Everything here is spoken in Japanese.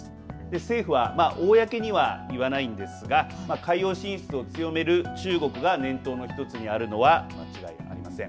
政府は公には言わないんですが海洋進出を強める中国が念頭の１つにあるのは間違いありません。